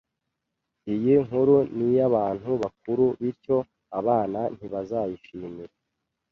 Iyi nkuru ni iy'abantu bakuru, bityo abana ntibazayishimira